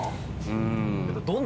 うん。